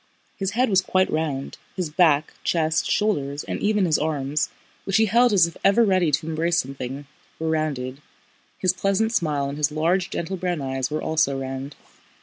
His head was quite round, his back, chest, shoulders, and even his arms, which he held as if ever ready to embrace something, were rounded, his pleasant smile and his large, gentle brown eyes were also round.